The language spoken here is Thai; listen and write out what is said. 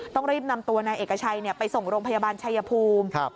ต้องรีบนำตัวนายเอกชัยไปส่งโรงพยาบาลชัยภูมิ